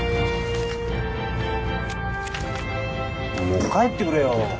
もう帰ってくれよ